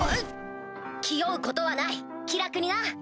気負うことはない気楽にな。